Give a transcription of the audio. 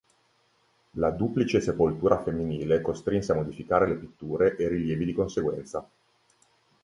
La duplice sepoltura femminile costrinse a modificare le pitture e i rilievi di conseguenza.